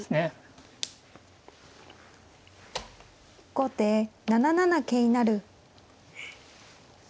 後手７七桂成。